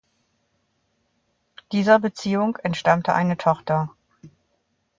Dieser Beziehung entstammte eine Tochter.